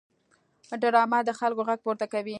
ډرامه د خلکو غږ پورته کوي